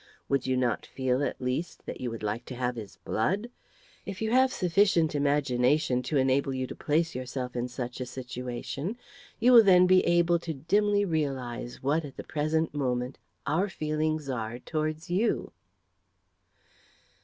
Would you not feel, at least, that you would like to have his blood? If you have sufficient imagination to enable you to place yourself in such a situation, you will then be able to dimly realise what, at the present moment, our feelings are towards you."